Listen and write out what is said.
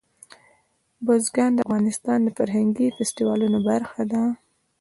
بزګان د افغانستان د فرهنګي فستیوالونو برخه ده.